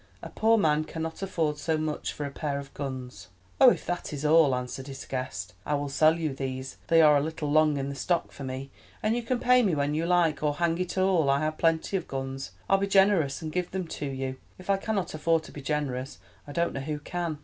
A poor man cannot afford so much for a pair of guns." "Oh, if that is all," answered his guest, "I will sell you these; they are a little long in the stock for me, and you can pay me when you like. Or, hang it all, I have plenty of guns. I'll be generous and give them to you. If I cannot afford to be generous, I don't know who can!"